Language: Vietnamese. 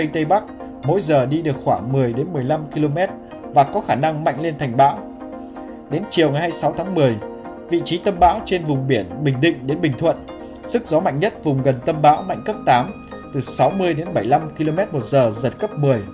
tâm bão trên vùng biển bình định đến bình thuận sức gió mạnh nhất vùng gần tâm bão mạnh cấp tám từ sáu mươi đến bảy mươi năm km một giờ giật cấp một mươi